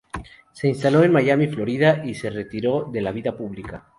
Se instaló en Miami, Florida y se retiró de la vida pública.